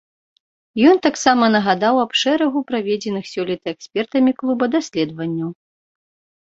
Ён таксама нагадаў аб шэрагу праведзеных сёлета экспертамі клуба даследаванняў.